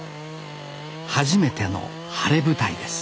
初めての晴れ舞台です